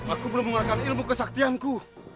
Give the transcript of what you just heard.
aku belum menggunakan ilmu kesaktian ku